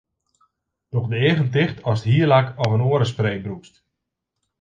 Doch de eagen ticht ast hierlak of in oare spray brûkst.